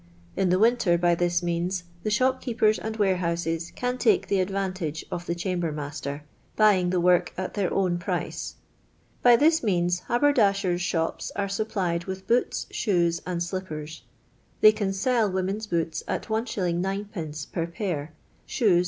In the winter, by this means, the shopkeepers and warehouses can take the advantage of the cham ber^master, buying the work at their own price. By this means luiberdashers' shops are supplied with boots, shoes, and slippers; they can sell women's boots at It. 9d, per pair ; shoes, 1«.